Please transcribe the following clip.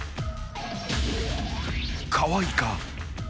［河合か？］